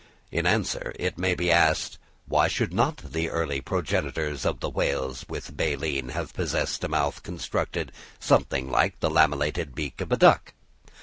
In answer, it may be asked, why should not the early progenitors of the whales with baleen have possessed a mouth constructed something like the lamellated beak of a duck?